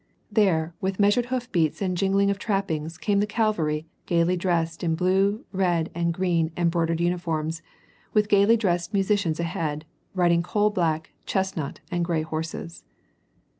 There, with measured hoof beats and jingling of trappings came the cavalry gayly dressed in blue, red, and green em broidered uniforms with gayly dressed musicians ahead, riding coal black, chestnut, and gray horses.